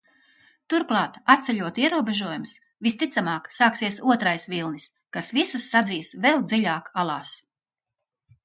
Turklāt, atceļot ierobežojumus, visticamāk, sāksies otrais vilnis, kas visus sadzīs vēl dziļāk alās.